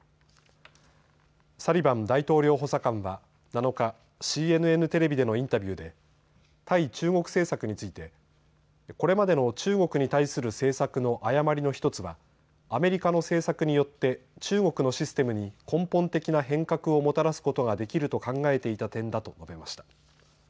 サリバン大統領補佐官は７日、ＣＮＮテレビでのインタビューで対中国政策についてこれまでの中国に対する政策の誤りの１つはアメリカの政策によって中国のシステムに根本的な変革をもたらすことができると考えていた点だと述べました。